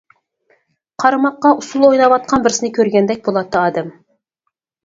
قارىماققا ئۇسسۇل ئويناۋاتقان بىرسىنى كۆرگەندەك بولاتتى ئادەم.